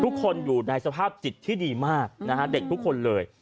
ทุกคนอยู่ในสภาพจิตที่ดีมากนะฮะเด็กทุกคนเลย